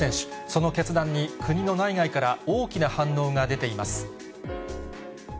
その決断に国の内外から大きな反応が出ています。